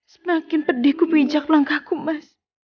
semakin pedih ku pinjak langkahku mas